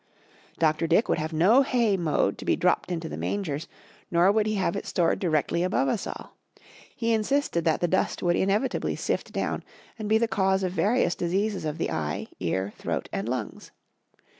Dr. Dick would have no hay mowed to be dropped into the mangers, nor would he have it stored directly above us all. He insisted that the dust would inevitably sift down and be the cause of various diseases of the eye, ear, throat and lungs.